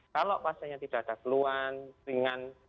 kalau pasiennya tidak ada keluhan ringan